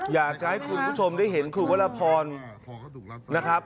อยากจะให้คุณผู้ชมได้เห็นครูวรพรนะครับ